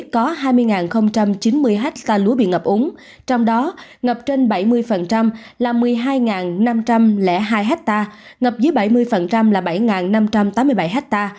có hai mươi chín mươi ha lúa bị ngập úng trong đó ngập trên bảy mươi là một mươi hai năm trăm linh hai hectare ngập dưới bảy mươi là bảy năm trăm tám mươi bảy ha